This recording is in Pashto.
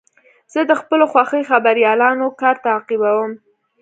زه د خپلو خوښې خبریالانو کار تعقیبوم.